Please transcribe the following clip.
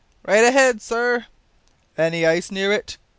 "Right ahead, sir." "Any ice near it?"